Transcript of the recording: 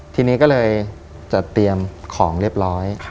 ทีนี้ก็เลยจะเตรียมของเรียบร้อย